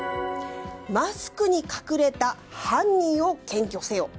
マスクに隠れた犯人を検挙せよ。